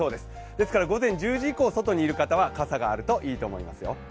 ですから午前１０時以降、外にいる方は傘がある方がいいですよ。